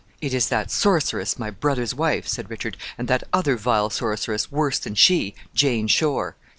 "It is that sorceress, my brother's wife," said Richard, "and that other vile sorceress, worse than she, Jane Shore.